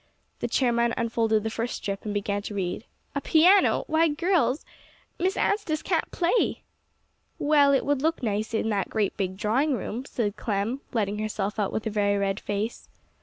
The chairman unfolded the first strip, and began to read. "A piano why, girls, Miss Anstice can't play." "Well, it would look nice in that great big drawing room," said Clem, letting herself out with a very red face.